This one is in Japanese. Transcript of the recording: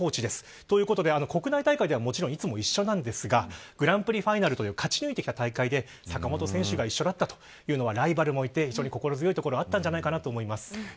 ということで、国内大会ではいつも一緒なんですがグランプリファイナルという勝ち抜いてきた大会で坂本選手が一緒だったというのはライバルもいて非常に心強かったのかなと思います